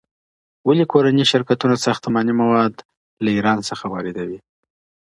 ولې کورني شرکتونه ساختماني مواد له ایران څخه واردوي؟